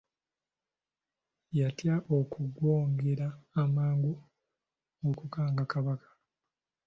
Yatya okugwogera amangu okukanga Kabaka.